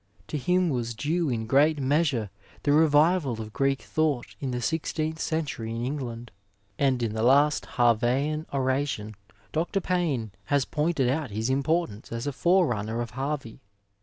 To him was due in great measure the revival of Greek thought in the sixteenth century in England ; and in the last Har veian oration Dr. Pajnie has pointed out his importance as a forerunner of Harvey.